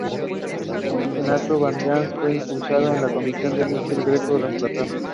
Gaetano Badalamenti fue expulsado de la Comisión y Michele Greco le reemplazó.